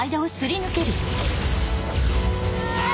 あ！